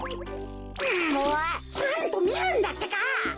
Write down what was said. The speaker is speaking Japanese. んもうちゃんとみるんだってか。